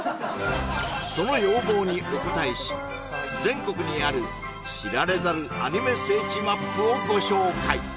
その要望にお応えし全国にある知られざるアニメ聖地ＭＡＰをご紹介！